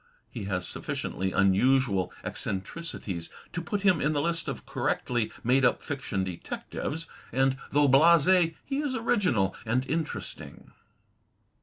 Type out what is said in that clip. He has sufficiently tmustial eccentricities to put him in the list of correctly made up fiction detectives, and though blase, he is original and interesting.